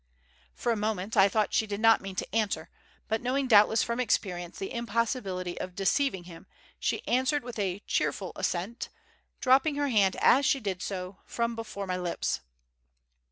For a moment I thought she did not mean to answer, but knowing doubtless from experience the impossibility of deceiving him, she answered with a cheerful assent, dropping her hand as she did so from before my lips.